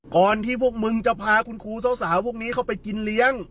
ที่พวกมึงจะพาคุณครูสาวพวกนี้เข้าไปกินเลี้ยง